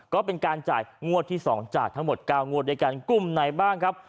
ก็เป็นการจ่ายงวดที่๒จากทั้งหมด๙งวดด้วยกันกลุ่มไหนบ้างครับ